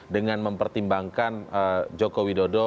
dengan mempertimbangkan joko widodo